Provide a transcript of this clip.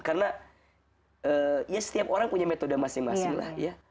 karena ya setiap orang punya metode masing masing lah